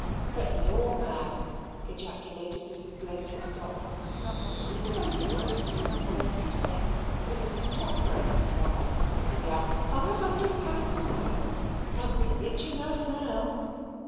"But, lor', Ma'am," ejaculated Mrs. Blenkinsop, "we was only grocers when we married Mr. S., who was a stock broker's clerk, and we hadn't five hundred pounds among us, and we're rich enough now."